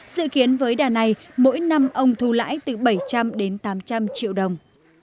dự kiến với đà này mỗi năm ông thu lãi từ bảy trăm linh đến tám trăm linh triệu đồng